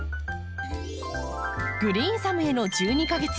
「グリーンサムへの１２か月」。